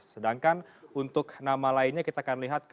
sedangkan untuk nama lainnya kita akan lihat